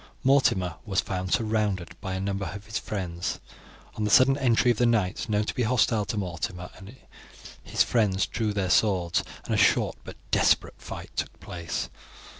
Mortimer was found surrounded by a number of his friends. On the sudden entry of the knights known to be hostile to Mortimer his friends drew their swords, and a short but desperate fight took place.